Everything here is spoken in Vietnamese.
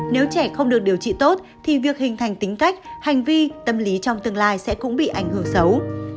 nếu trẻ không được điều trị tốt thì việc hình thành tính cách hành vi tâm lý trong tương lai sẽ cũng bị ảnh hưởng xấu